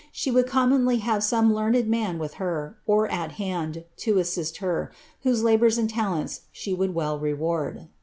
She would comnionly have some learned man with her, or at hand, to assist her, whose labour and talents she would well reward.